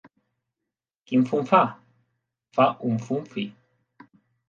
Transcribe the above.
Quin fum fa? Fa un fum fi.